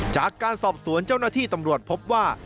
จากการสอบสวนเจ้าหน้าที่ตำรวจพบว่า